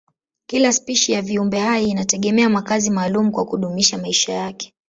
Kila spishi ya viumbehai inategemea makazi maalumu kwa kudumisha maisha yake.